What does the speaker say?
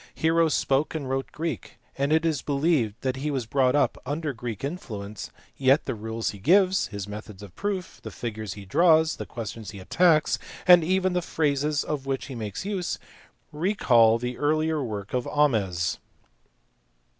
Hero spoke and wrote Greek, and it is believed that he was brought up under Greek influence ; yet the rules he gives, his methods of proof, the figures he draws, the questions he attacks, and even the phrases of which he makes use, recall the earlier w*brk of Ahmes.